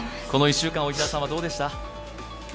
この１週間、大平さんはどうでしたか？